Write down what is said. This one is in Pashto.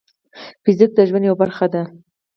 فزیک د ژوند یوه برخه ده.